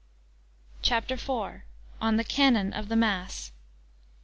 CHAPTER IV On the Canon of the Mass.